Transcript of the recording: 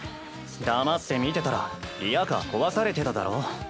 黙って見てたらリヤカー壊されてただろ。